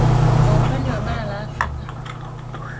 Kwa upande wa bara la Afrika